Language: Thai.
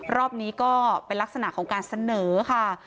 รอบนี้ก็เป็นลักษณะของการเสนอค่ะ